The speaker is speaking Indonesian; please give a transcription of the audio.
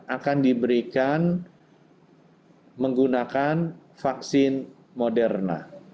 akan diberikan menggunakan vaksin moderna